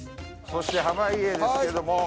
そして濱家ですけども。